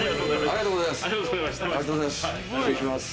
ありがとうございます。